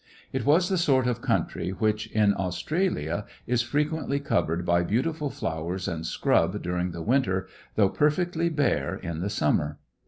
It was the sort of country which, in Australia, is frequently covered by beautiful flowers and scrub during the winter, though perfectly bare in the summer.